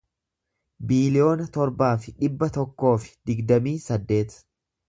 biiliyoona torbaa fi dhibba tokkoo fi digdamii saddeet